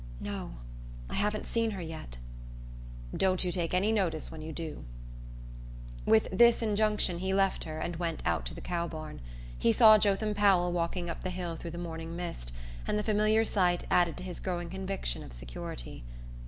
"No. I haven't seen her yet." "Don't you take any notice when you do." With this injunction he left her and went out to the cow barn. He saw Jotham Powell walking up the hill through the morning mist, and the familiar sight added to his growing conviction of security.